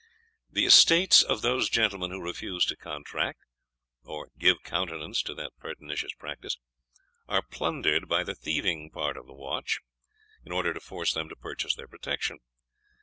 The estates of those gentlemen who refused to contract, or give countenance to that pernicious practice, are plundered by the thieving part of the watch, in order to force them to purchase their protection.